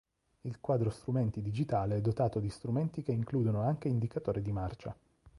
Il quadro strumenti digitale è dotato di strumenti che includono anche indicatore di marcia.